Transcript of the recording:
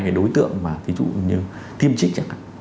cái đối tượng mà ví dụ như kim trích chẳng hạn